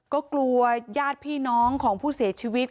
ก็กลัวญาติพี่น้องของผู้เสียชีวิต